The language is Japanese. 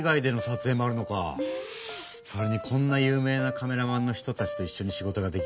それにこんな有名なカメラマンの人たちといっしょに仕事ができるなんて光栄だよ。